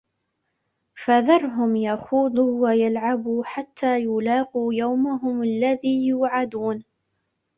فَذَرْهُمْ يَخُوضُوا وَيَلْعَبُوا حَتَّى يُلاقُوا يَوْمَهُمُ الَّذِي يُوعَدُونَ